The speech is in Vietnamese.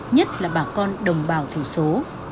nhất là bà con đồng bào thủ số